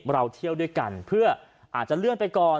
เราเที่ยวด้วยกันเพื่ออาจจะเลื่อนไปก่อน